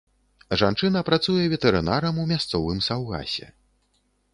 Жанчына працуе ветэрынарам у мясцовым саўгасе.